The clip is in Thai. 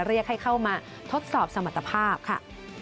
เรียกให้เข้ามาทดสอบสมรรถภาพค่ะ